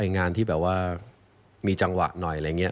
งานที่แบบว่ามีจังหวะหน่อย